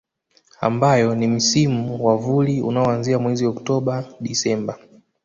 Ambayo ni Msimu wa Vuli unaoanzia mwezi Oktoba Desemba